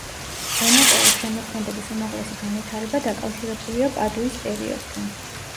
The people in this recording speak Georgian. დონატელოს შემოქმედების უმაღლესი განვითარება დაკავშირებულია პადუის პერიოდთან.